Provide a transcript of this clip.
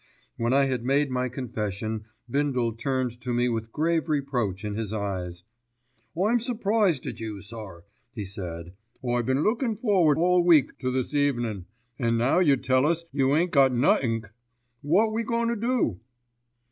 When I had made my confession, Bindle turned to me with grave reproach in his eyes. "I'm surprised at you, sir," he said, "I been lookin' forward all the week to this evenin', an' now you tell us you ain't got nothink. Wot we goin' to do?"